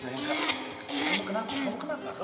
sayang kamu kenapa kamu gak apa apa kan